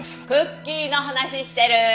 クッキーの話してる。